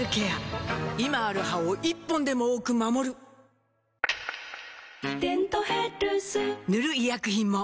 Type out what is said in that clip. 今ある歯を１本でも多く守る「デントヘルス」塗る医薬品も